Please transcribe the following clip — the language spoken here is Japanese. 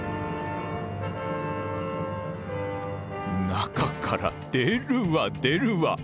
中から出るわ出るわ。